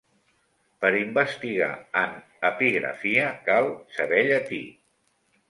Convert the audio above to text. Per investigar en epigrafia cal saber llatí.